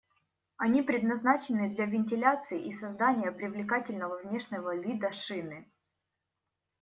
Они предназначены для вентиляции и создания привлекательного внешнего вида шины.